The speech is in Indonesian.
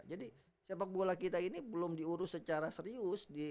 jadi sepak bola kita ini belum diurus secara serius